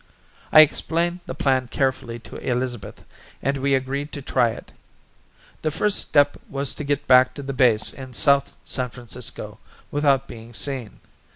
I explained the plan carefully to Elizabeth and we agreed to try it. The first step was to get back to the base in South San Francisco without being seen.